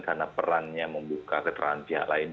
karena perannya membuka keterangan pihak lain